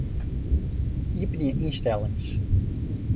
Iepenje ynstellings.